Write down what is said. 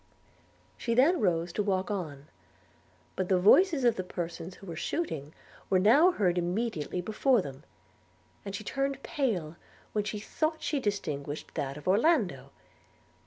She then arose to walk on; but the voices of the persons who were shooting were now heard immediately before them, and she turned pale when she thought she distinguished that of Orlando.